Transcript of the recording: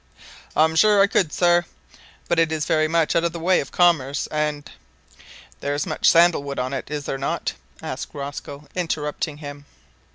"I'm sure I could, sir; but it is very much out of the way of commerce, and " "There is much sandal wood on it, is there not?" asked Rosco, interrupting him.